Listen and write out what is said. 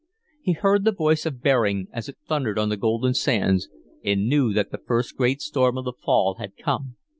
He heard the voice of Bering as it thundered on the Golden Sands, and knew that the first great storm of the fall had come.